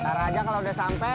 taruh aja kalo udah sampe